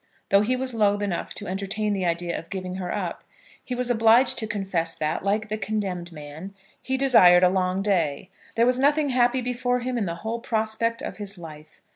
Though he was loath enough to entertain the idea of giving her up, he was obliged to confess that, like the condemned man, he desired a long day. There was nothing happy before him in the whole prospect of his life.